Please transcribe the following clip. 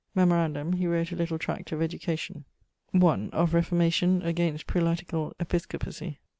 Memorandum, he wrote a little tract of education. 1. Of Reformation. } Qu. whether two Against prelatical Episcopacy.